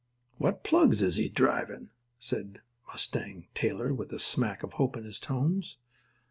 "What plugs is he drivin'?" asked Mustang Taylor, with a smack of hope in his tones.